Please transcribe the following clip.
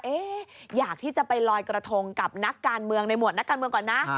อยากที่จะไปลอยกระทงกับนักการเมืองในหมวดนักการเมืองก่อนนะ